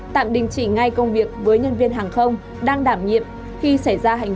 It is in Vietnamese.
tạm đình chỉ ngay công việc với nhân viên hàng không đang đảm nhiệm khi xảy ra hành vi vi phạm